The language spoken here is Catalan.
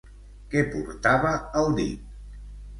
Què portava al dit?